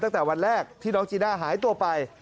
ตั้งแต่วันแรกที่น้องจีน่าหายตัวไป